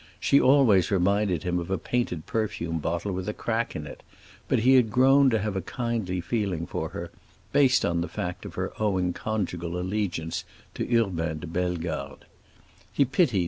She always reminded him of a painted perfume bottle with a crack in it; but he had grown to have a kindly feeling for her, based on the fact of her owing conjugal allegiance to Urbain de Bellegarde. He pitied M.